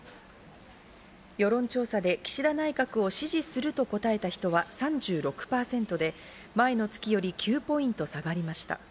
世論調査で岸田内閣を支持すると答えた人は３６％で、前の月より９ポイント下がりました。